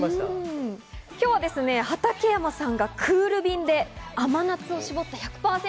今日は畠山さんがクール便で甘夏を搾った１００％